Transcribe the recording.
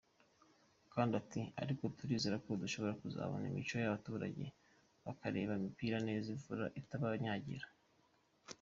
Kandi ati “Ariko turizera ko dushobora kuzabona imicyo, abaturage bakareba imipira neza imvura itabanyagira.